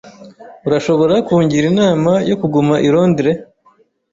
Urashobora kungira inama yo kuguma i Londres?